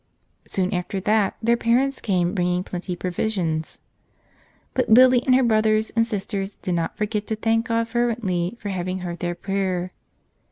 Soon after that their parents came bringing plenty provisions. But Lily and her brothers and sisters did not forget to thank God fervently for having heard their prayer.